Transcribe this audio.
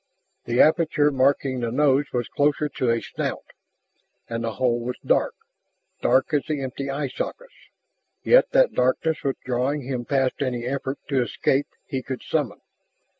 The aperture marking the nose was closer to a snout, and the hole was dark, dark as the empty eye sockets. Yet that darkness was drawing him past any effort to escape he could summon.